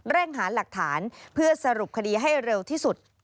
หาหลักฐานเพื่อสรุปคดีให้เร็วที่สุด